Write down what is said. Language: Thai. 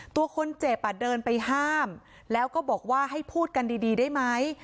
ตัวคนเจ็บอ่ะเดินไปห้ามแล้วก็บอกว่าให้พูดกันดีได้ไหม